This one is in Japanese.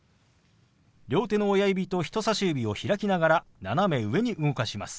両手の親指と人さし指を開きながら斜め上に動かします。